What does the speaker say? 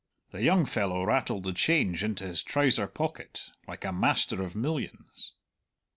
The young fellow rattled the change into his trouser pocket like a master of millions.